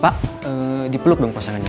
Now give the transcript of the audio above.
pak dipeluk dong pasangannya